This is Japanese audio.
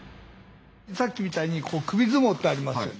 さっきみたいにこう首相撲ってありますよね。